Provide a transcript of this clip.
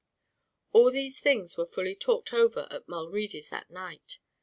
All these things were fully talked over at Mulready's that night.